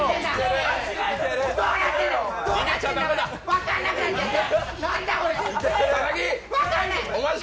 分かんなくなっちゃった！